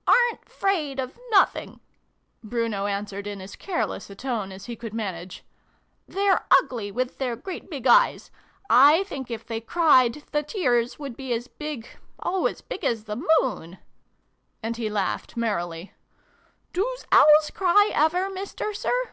" Aren't 'fraidot nothing," Bruno answered in as careless a tone as he could manage :" they're ugly with their great big eyes. I think if they cried, the tears would be as big oh, as big as the moon !" And he laughed merrily. " Doos Owls cry ever, Mister Sir